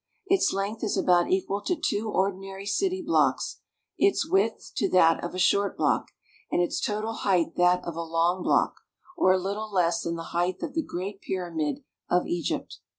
Its length is about equal to two ordinary city blocks, its width to that of a short block, and its total height that of a long block, or a little less than the height of the Great Pyramid of Egypt.